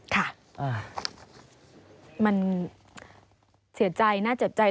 ค่ะมันเสียใจน่าเจ็บใจ